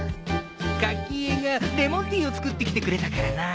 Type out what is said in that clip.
柿絵がレモンティーを作ってきてくれたからな。